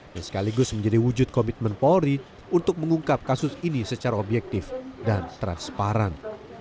dan sekaligus menjadi wujud komitmen polri untuk mengungkap kasus ini secara objektif dan transparan